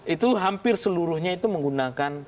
itu hampir seluruhnya itu menggunakan